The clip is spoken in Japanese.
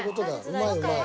うまいうまい。